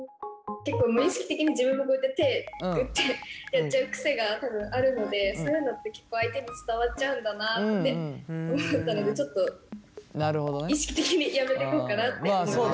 結構無意識的に自分もこうやって手をグッてやっちゃう癖が多分あるのでそういうのって結構相手に伝わっちゃうんだなって思ったのでちょっと意識的にやめていこうかなって思いました。